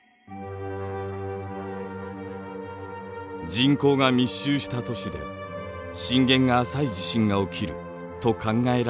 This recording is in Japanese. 人口が密集した都市で震源が浅い地震が起きると考えられている場所があります。